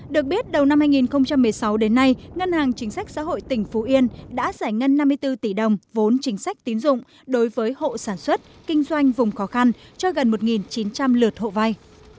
được biết đầu năm hai nghìn một mươi sáu đến nay ngân hàng chính sách xã hội tỉnh phú yên đã giải ngân năm mươi bốn tỷ đồng vốn chính sách tín dụng đối với hộ sản xuất kinh doanh vùng khó khăn cho gần một chín trăm linh lượt hộ vay